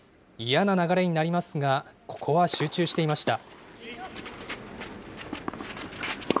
嫌な流れになりますが、ここは集中していました。